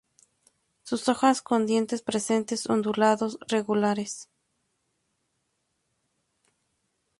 Sus hojas con dientes presentes ondulados regulares.